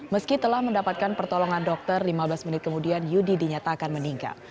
meski telah mendapatkan pertolongan dokter lima belas menit kemudian yudi dinyatakan meninggal